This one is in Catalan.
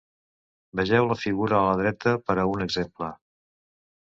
Vegeu la figura a la dreta per a un exemple.